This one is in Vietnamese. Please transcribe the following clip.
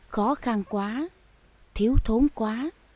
khó khăn quá thiếu thốn quá